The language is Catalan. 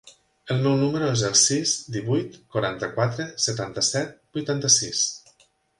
El meu número es el sis, divuit, quaranta-quatre, setanta-set, vuitanta-sis.